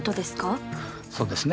そうですね。